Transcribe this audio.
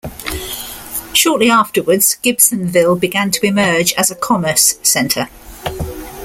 Shortly afterwards Gibsonville began to emerge as commerce center.